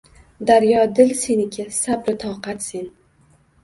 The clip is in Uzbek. Daryo dil seniki, sabru toqatsen.